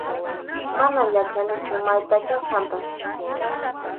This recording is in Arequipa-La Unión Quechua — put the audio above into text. Mana yachanichu maytachá kanpas.